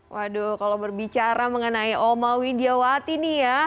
waduh kalau berbicara mengenai oma widiawati nih ya